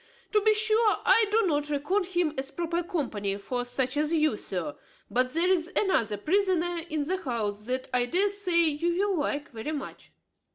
To be sure, I do not reckon him as proper company for such as you, sir; but there is another prisoner in the house that I dare say you will like very much.